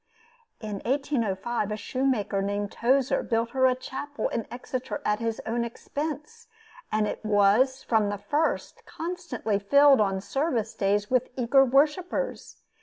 In 1805, a shoemaker named Tozer built her a chapel in Exeter at his own expense, and it was, from the first, constantly filled on service days with eager worshipers.